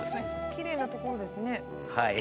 きれいなところですね。